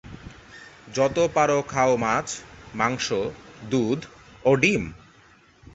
যত পারো খাও মাছ, মাংস, দুধ ও ডিম।